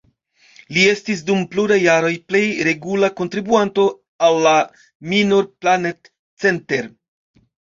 Li estis dum pluraj jaroj plej regula kontribuanto al la Minor Planet Center.